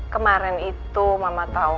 kemaren itu mama tau